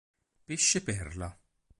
Pesce perla